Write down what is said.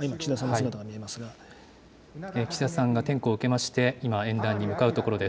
今、岸田さ岸田さんが点呼を受けまして、今、演壇に向かうところです。